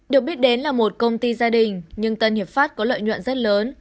được biết đến là một công ty gia đình nhưng tân hiệp pháp có lợi nhuận rất lớn